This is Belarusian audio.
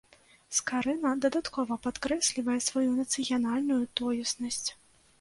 Скарына дадаткова падкрэслівае сваю нацыянальную тоеснасць.